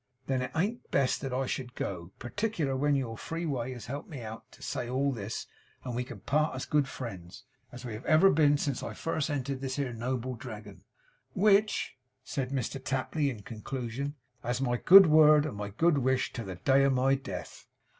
Then an't it best that I should go; particular when your free way has helped me out to say all this, and we can part as good friends as we have ever been since first I entered this here noble Dragon, which,' said Mr Tapley in conclusion, 'has my good word and my good wish to the day of my death!